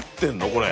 これ。